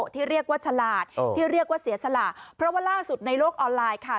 ที่เรียกว่าฉลาดที่เรียกว่าเสียสละเพราะว่าล่าสุดในโลกออนไลน์ค่ะ